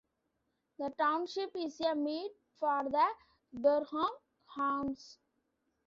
The township is a meet for the Durham hounds.